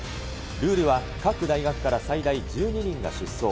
ルールは各大学から最大１２人が出走。